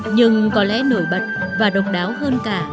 nhưng có lẽ nổi bật và độc đáo hơn cả